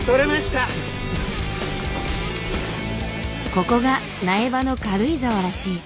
ここが苗場の軽井沢らしい。